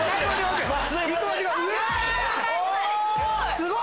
すごい！